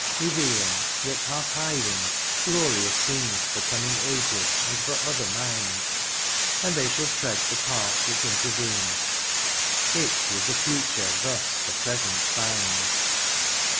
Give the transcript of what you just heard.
Revealing, yet half hiding, glorious scenes For coming ages, and for other minds ; And they shall tread the part which intervenes ; It with the future thus the present binds.